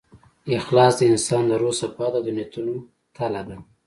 اخلاص د انسان د روح صفا ده، او د نیتونو تله ده.